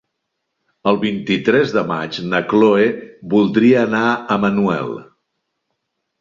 El vint-i-tres de maig na Cloè voldria anar a Manuel.